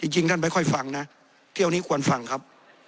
จริงท่านไม่ค่อยฟังนะเที่ยวนี้ควรฟังครับ